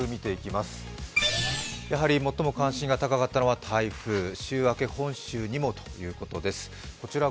やはり最も関心が高かったのは台風、週明け、本州にもということです。